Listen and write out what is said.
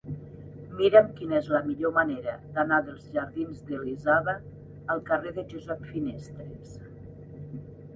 Mira'm quina és la millor manera d'anar dels jardins d'Elisava al carrer de Josep Finestres.